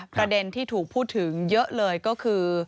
ประเด็นที่ถูกพูดถึงเยอะเลยก็คือ